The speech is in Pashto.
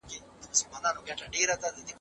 ګډ څانګیز مېتود ژورتیا او پوهه زیاتوي.